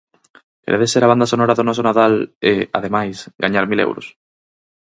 Queredes ser a banda sonora do noso Nadal e, ademais, gañar mil euros?